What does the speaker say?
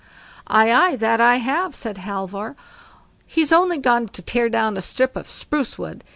"Aye, aye, that I have", said Halvor, "he's only gone to tear down a strip of spruce wood.